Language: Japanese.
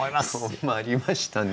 困りましたね